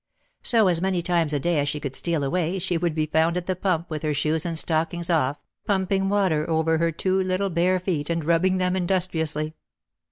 So as many times a day as she could steal away she would be found at the pump with her shoes and stockings off pumping water over her two little bare feet and rubbing them industriously.